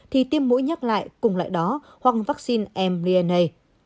thì tiêm mũi nhắc lại cùng loại đó hoặc vaccine mnna